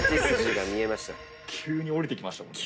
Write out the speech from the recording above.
急に降りてきましたね。